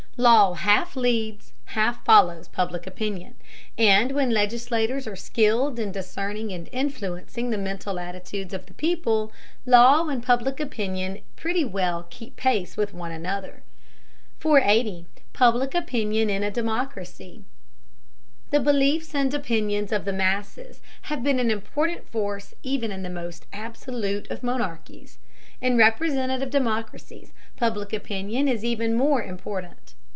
Law half leads, half follows Public Opinion, and when legislators are skilled in discerning and influencing the mental attitudes of the people, law and Public Opinion pretty well keep pace with one another. 480. PUBLIC OPINION IN A DEMOCRACY. The beliefs and opinions of the masses have been an important force even in the most absolute of monarchies; in representative democracies Public Opinion is even more important.